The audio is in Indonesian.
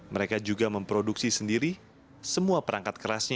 mereka juga memproduksi sendiri semua perangkat kerasnya